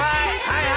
はい！